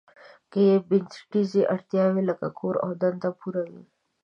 که یې بنسټیزې اړتیاوې لکه کور او دنده پوره وي.